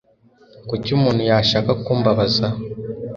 Kuki umuntu yashaka kumbabaza?